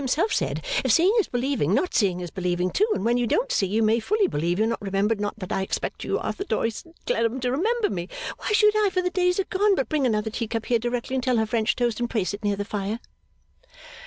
himself said if seeing is believing not seeing is believing too and when you don't see you may fully believe you're not remembered not that I expect you Arthur Doyce and Clennam to remember me why should I for the days are gone but bring another teacup here directly and tell her fresh toast and pray sit near the fire.